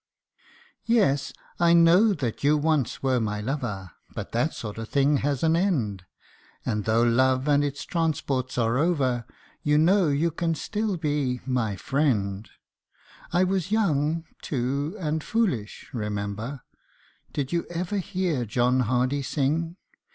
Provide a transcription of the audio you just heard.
YES, I know that you once were my lover, But that sort of thing has an end, And though love and its transports are over, You know you can still be my friend : I was young, too, and foolish, remember ; (Did you ever hear John Hardy sing